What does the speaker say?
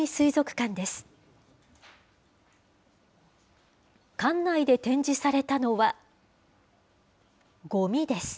館内で展示されたのは、ごみです。